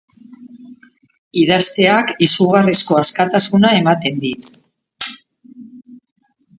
Idazteak izugarrizko askatasuna ematen dit.